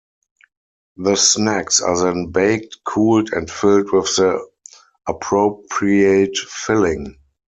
The snacks are then baked, cooled, and filled with the appropriate filling.